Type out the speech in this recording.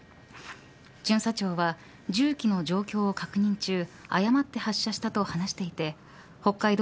巡査長は銃器の状況を確認中誤って発射したと話していて北海道